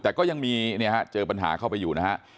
แต่ก็ยังมีเนี่ยฮะเจอปัญหาเข้าไปอยู่นะฮะ